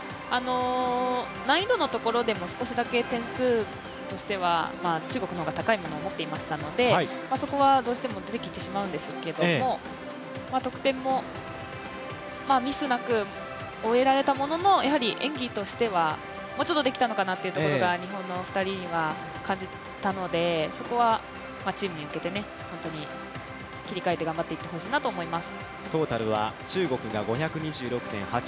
難易度のところでも少しだけ点数としては中国の方が高いものを持っていましたのでそこはどうしても出てきてしまうんですけれども、得点も、ミスなく終えられたもののやはり演技としては、もうちょっとできたのかなというのが日本の２人には感じたので、そこはチームに向けて、切り替えて頑張っていってほしいなと思います。